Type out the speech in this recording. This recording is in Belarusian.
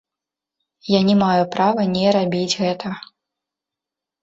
Я не маю права не рабіць гэтага.